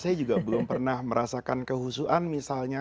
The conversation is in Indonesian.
saya juga belum pernah merasakan kehusuan misalnya